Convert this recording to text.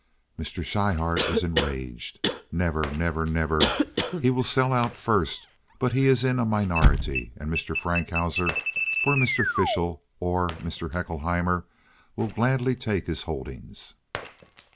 Mr. Schryhart is enraged. Never! never! never! He will sell out first—but he is in a minority, and Mr. Frankhauser, for Mr. Fishel or Mr. Haeckelheimer, will gladly take his holdings.